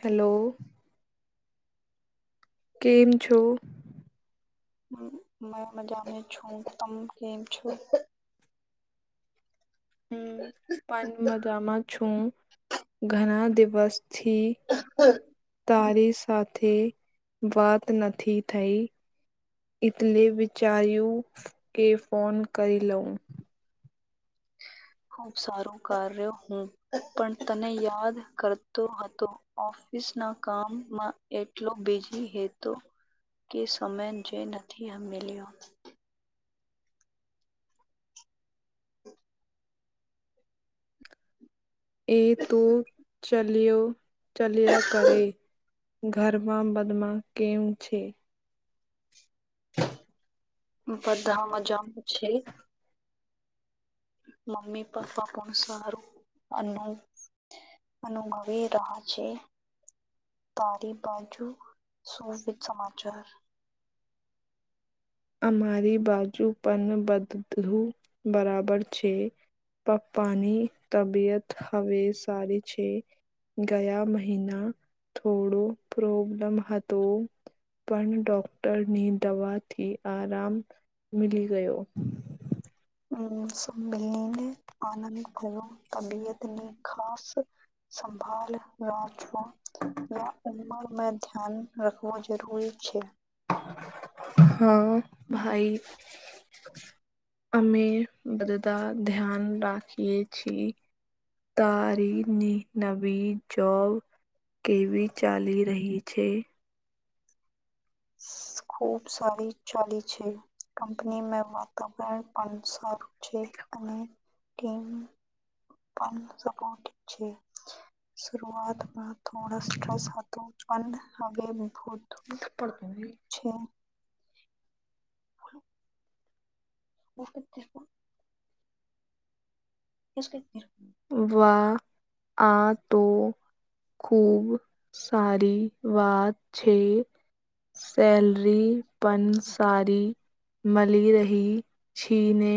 Hello. કેમ છો. હું મ મજાની છું તમ કેમ છો. હું પણ મજામાં છું ઘણા દિવસ થી તારી સાથે વાત નથી થઈ. એટલે વિચારુ કે ફોન કરી લઉં. ખુબ સારું કર્યો હું પણ તને યાદ કરતો હતો. ઓફિસ ના કામમાં એટલો બીજી હેતો. કે સમય જે નથી [unintelligible] એ તું ચાલ્યો ચાલ્યા કરે ઘરમાં બદમાં કેમ છે. બધા મજામાં છે. મમ્મી પાપા કોણ સારું. અનુ અનુભવી રહ્યા છે. તારી બાજુ સુ વિ સમાચાર. અમારી બાજુ પણ બધું બરાબર છે. પપ્પાની તબિયત હવે સારી છે. ગયા મહિના થોડો પ્રોબ્લમ હતો. પણ ડોક્ટરની દવાથી આરામ મીલી ગયો. [unintelligible] સંમેલનીને આનંદ થયો તબિયત ને ખાસ સંભળ ના [unintelligible] યા ઉમર મે ધ્યાન રાખવો જરૂરી છે. હા ભાઈ [inaudible] અમે બધા ધ્યાન રાખીએ છીએ. તારી ની નવી જોબ કેવી ચાલી રહી છે. ખુબ સારી ચાલી છે કંપની મે મે દબણ પણ સારું છે અને ટીમ પણ સપોટ છે. શરૂઆતમાં થોડ સ્ટ્રેસ હતો પણ હવે હું પડ તોઈ અચ્છા. [inaudible] [inaudible] વા આ તો ખુબ સારી વાત છે. સેલરી પન સારી મલી રહી છીને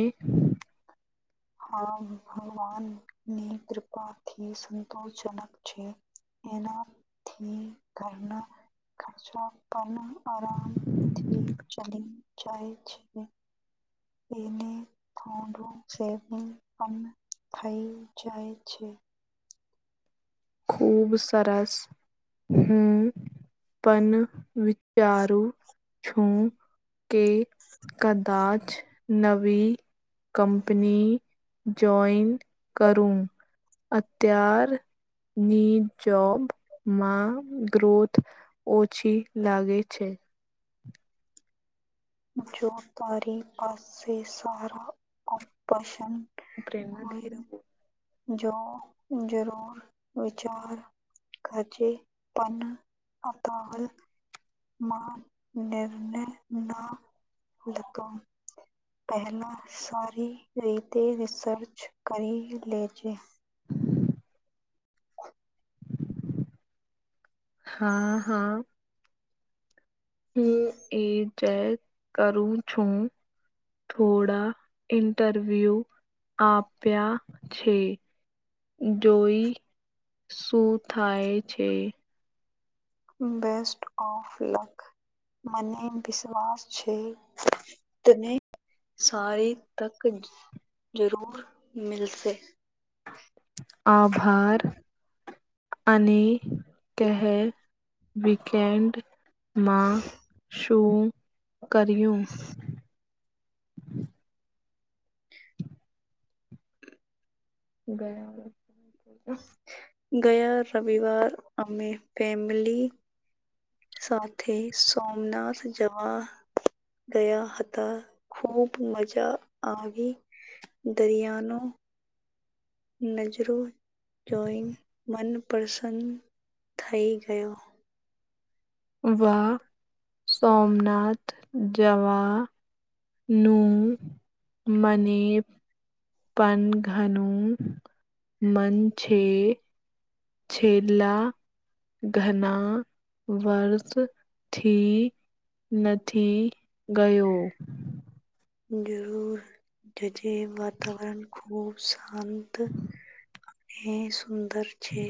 હા ભગવાન ની કૃપાથી સંતોષજનક છે. એના થી ઘર નો ખર્ચા [unintelligible] આરામથી ચલી જાય છે. તેને થોડું સેવિંગ પણ થઈ જાય છે. ખૂબ સરસ. હું પણ વિચારું છું કે કદાચ નવી કંપની જોઈન કરું અત્યાર ની જોબ માં ગ્રોથ ઓછી લાગે છે. જો તારી પાસેસે સારાપશન પ્રરના દીરા જો જરૂર વિચાર ખાચે પન અપલ મા નિર્ને ના લધ પહેલાં સારી રીતે રિસર્ચ કરી લેજે હા હા હું એ જે કરું છું થોડા ઇન્ટરવ્યૂ આપ્યા છે. જોઈ શું થાય છે. બેસ્ટ ઓફ લક મને વિશ્વાસ છે. તને સારી તક જરૂર મલશે આભાર અને કહે વીકેન્ડમાં શું કર્યું? ગયા ગયા રવિવાર અમે ફેમલી. સાથે સોમનાથ જવા. ગયા હતા ખૂબ મજા આવી દરિયાનો. નજરો જોઈ મનપસન્ન થઈ ગયો. વાહ સોમનાથ જવા નું મને. પન ઘનુ મન છેે. છેલ્લા ઘણા વર્ષ નથી ગયો. જરૂર જજે વાતાવરણ ખૂબ શાંત. અને સુંદર છે.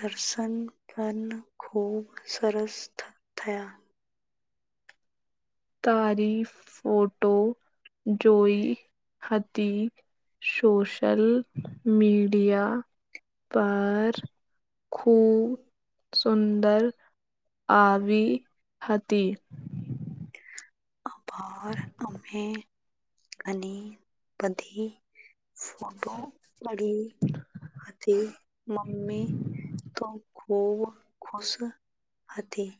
દર્શન પણ ખૂબ સરસ થ થયા. તારી ફોટો જોઈ હતી, સોશલ મીડિયા પર. ખુબ સુંદર આવી. હતી. આભાર અમે. અને બધી ફોટો પડી હતી મમ્મી તો બોવ ખુશ હતી.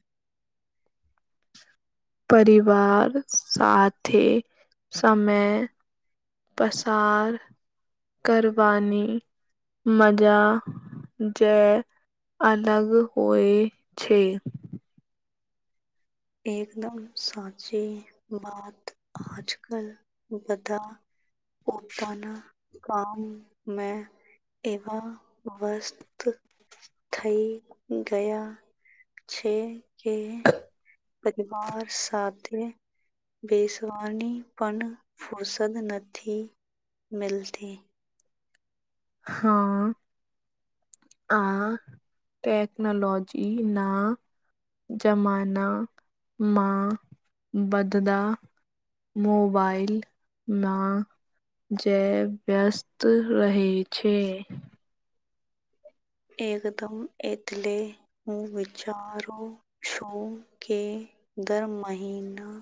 પરિવાર સાથે સમય પસાર કરવારવની મજા જ અલગ હોય છે. એકદમ સાચી વાત આજ કલ બધા પોતના કામ મે એવા વસ્ત થઈ ગયા છે, કે પરિવાર સાથે બેસવાની પણ ફુરસત નથી મીલતી હા. આ ટેકનોલોજી ના. જમાનામાં બધદા મોબાઈલ માં. જે વ્યસ્ત રહેે છે. એકદમ એટલે હું વિચારું છું, કે. દર મહિના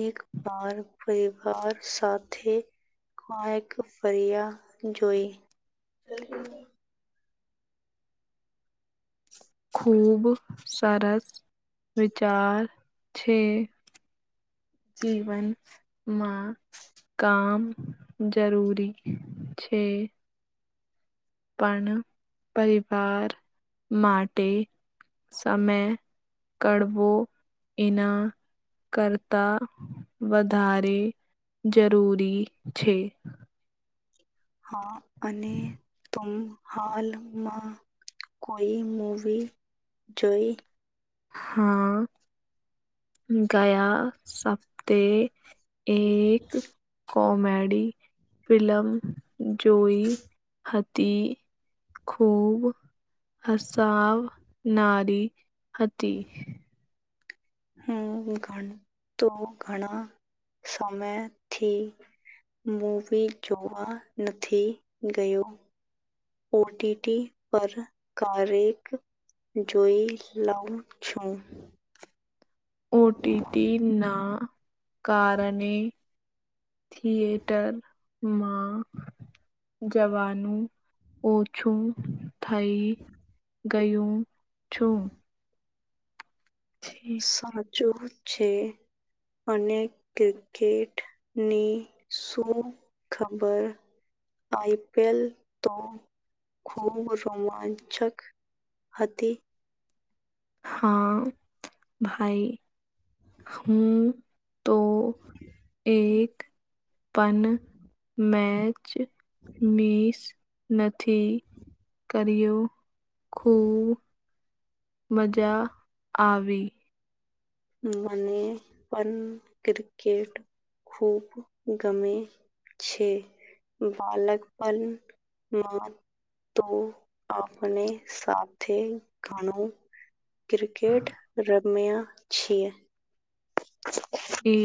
એક બાર પરિવાર સાથે કઈક ફર્યા જોઈ. ત [inaudible] ખૂબ સરસ. વિચાર છે, જીવન. માં કામ જરૂરી છે. પણ પરિવાર માટે. સામે કળવો એના. કરતા વધારે જરૂરી છે. હા અને તુમ હાલમાં કોઈ મૂવી જોઈ. હા. ગયા, સપતે એક કોમેડી ફિલ્મ જોઈ હતી, ખૂબ હસાવ નારી હતી. હમ્મ, ધળ તો ઘણા સમયથી મૂવી જોવા નથી ગયો. ઓ ટી ટી પર કારેક જોઈ લઉં છું. ઓ ટી ટી ના કારણે થિયેટરમાં જવાનું ઓછું થઈ ગયું છું. સાચ્ચું છે. અને ક્રિકેટની શું ખબર આઈ પી એલ તો ખૂબ રોમાંચક હતી. હા, ભાઈ હું તો એક પન મેચ મીસ નથી કર્યુ. ખૂબ મજા આવી. મને પણન ક્રિકેટ ખૂબ ગમે છે. બાલક પણમાં તો આપણે સાથે ઘણું ક્રિકેટ રમ્યા છીએ. [inaudible] એ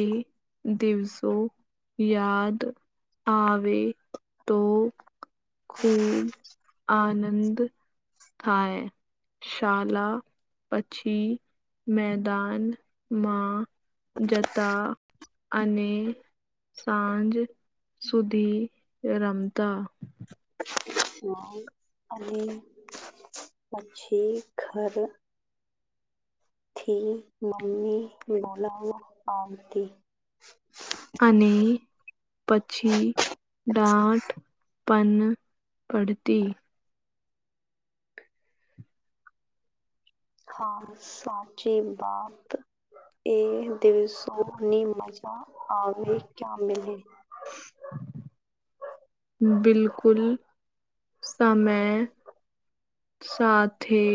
દિવસો યાદ આવે તો ખૂબ આનંદ થાય શાલા પછી મેદાનમાં જતા અને સાંજ સુધી રમતા [unintelligible] અને પછી ઘર થી મમ્મી બોલવા આવતી. અને પછી દાટ પણ પડતી. હા સાચી વાત. એ દિવસોની મજા અવે ક્યા બિલકુલ સમય સાથ એ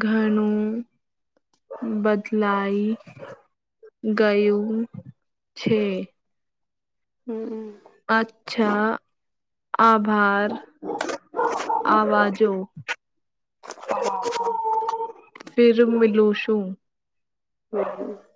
ઘણું બદલાય ગયું છે. હમ્મ. અચ્છા આભાર હા આવજો. હા ફિર મિલુ શું. [unintelligible]